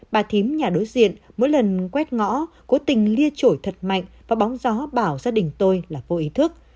bà thím nhà đối diện mỗi lần quét ngõ cố tình lia trội thật mạnh và bóng gió bảo gia đình tôi là vô ý thức